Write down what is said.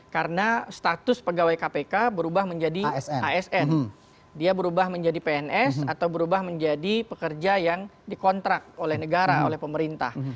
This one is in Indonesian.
karena status pegawai kpk berubah menjadi asn dia berubah menjadi pns atau berubah menjadi pekerja yang dikontrak oleh negara oleh pemerintah